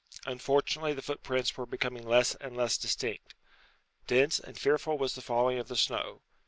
Unfortunately the footprints were becoming less and less distinct. Dense and fearful was the falling of the snow.